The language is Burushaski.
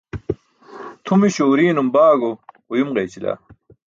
Tʰumiśo urii̇num baago uyum ġeyćila.